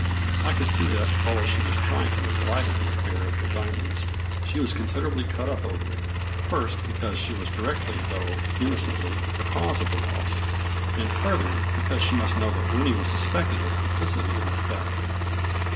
I could see that, although she was trying to make light of the affair of the diamonds, she was considerably cut up over it; first, because she was directly though innocently the cause of the loss, and further, because she must know that Winnie was suspected of com plicity in the theft.